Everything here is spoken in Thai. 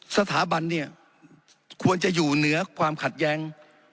สถาบันเนี่ยควรจะอยู่เหนือความขัดแย้ง